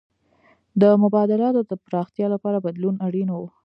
د مبادلاتو د پراختیا لپاره بدلون اړین و.